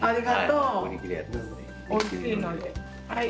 はい。